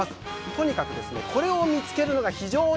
とにかくですねこれを見つけるのが非常に楽しい。